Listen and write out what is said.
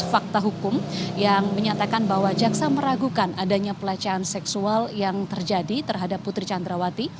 fakta hukum yang menyatakan bahwa jaksa meragukan adanya pelecehan seksual yang terjadi terhadap putri candrawati